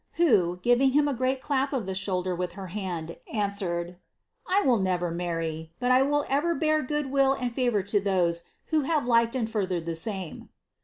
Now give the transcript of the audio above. who, giving him a greai clap of the shotilder with her hand, answered, 'I will never marrv; but 1 will ever bear good will and favour to those who have liked and furthered ihfi same.'